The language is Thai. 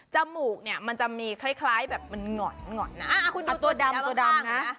จมูกเนี้ยมันจะมีคล้ายคล้ายแบบมันหง่อนหง่อนอ่าคุณดูตัวดำตัวดำนะ